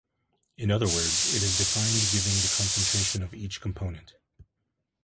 In other words, it is defined giving the concentration of each component.